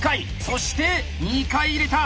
そして２回入れた！